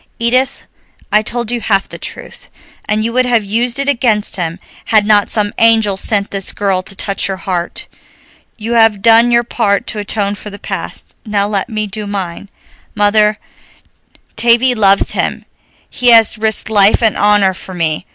Edith, I told you half the truth, and you would have used it against him had not some angel sent this girl to touch your heart. You have done your part to atone for the past, now let me do mine. Mother, Tavie loves him, he has risked life and honor for me.